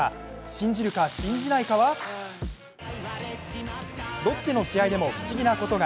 信じるか信じないかはロッテの試合でも不思議なことが。